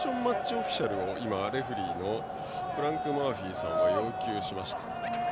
オフィシャルをレフェリーのフランク・マーフィーさんが要求しました。